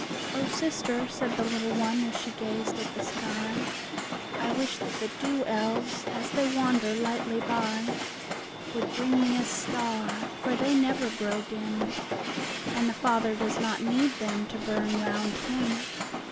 "O sister," said the little one, as she gazed at the sky, "I wish that the Dew Elves, as they wander lightly by, Would bring me a star; for they never grow dim, And the Father does not need them to burn round him.